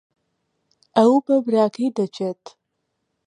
ئەو بە براکەی دەچێت.